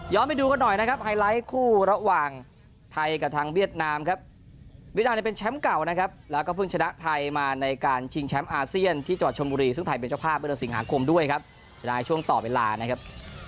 ไปดูกันหน่อยนะครับไฮไลท์คู่ระหว่างไทยกับทางเวียดนามครับเวียดนามเนี่ยเป็นแชมป์เก่านะครับแล้วก็เพิ่งชนะไทยมาในการชิงแชมป์อาเซียนที่จังหวัดชนบุรีซึ่งไทยเป็นเจ้าภาพเมื่อเดือนสิงหาคมด้วยครับจะได้ช่วงต่อเวลานะครับ